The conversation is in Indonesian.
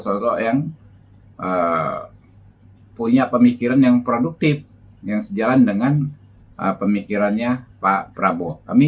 sosok yang punya pemikiran yang produktif yang sejalan dengan pemikirannya pak prabowo kami